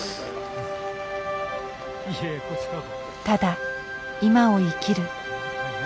ただ今を生きる。